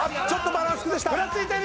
バランス崩した。